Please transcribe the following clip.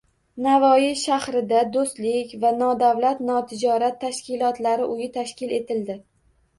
Navoiy shahrida “Do‘stlik va nodavlat notijorat tashkilotlari uyi” tashkil etildi.